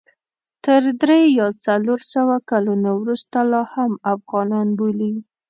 تر درې یا څلور سوه کلونو وروسته لا هم افغانان بولي.